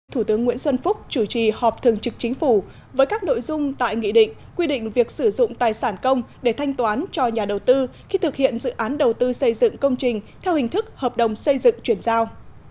thủ tướng nguyễn xuân phúc chủ trì họp thường trực chính phủ với các nội dung tại nghị định quy định việc sử dụng tài sản công để thanh toán cho nhà đầu tư khi thực hiện dự án đầu tư xây dựng công trình theo hình thức hợp đồng xây dựng chuyển giao